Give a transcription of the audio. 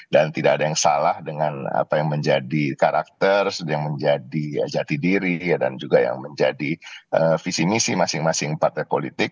dan tidak ada yang salah dengan apa yang menjadi karakter yang menjadi jati diri dan juga yang menjadi visi misi masing masing partai politik